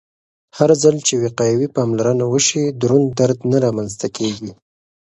هرځل چې وقایوي پاملرنه وشي، دروند درد نه رامنځته کېږي.